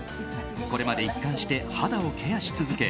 これまで一貫して肌をケアし続け